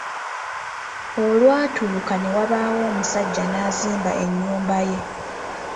Olwatuuka ne wabaawo omusajja n’azimba ennyumba ye.